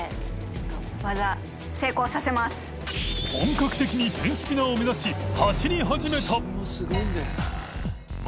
稻楹陛ペンスピナーを目指し走り始めた磴